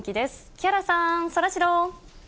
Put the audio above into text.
木原さん、そらジロー。